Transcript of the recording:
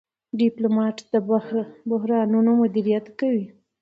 ډيپلومات د بحرانونو مدیریت کوي.